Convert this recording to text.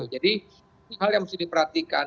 jadi hal yang harus diperhatikan